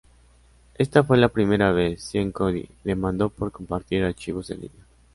Esta fue la primera vez Sean Cody demandó por compartir archivos en línea.